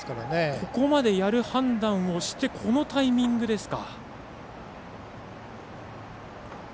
ここまでやる判断をしてこのタイミングですか。